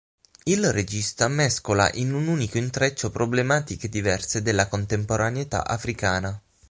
Il regista mescola in un unico intreccio problematiche diverse della contemporaneità africana.